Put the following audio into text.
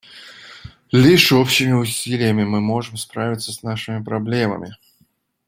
Лишь общими усилиями мы можем справиться с нашими проблемами.